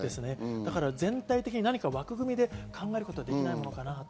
だから全体的に何か枠組みで考えることはできないのかなと。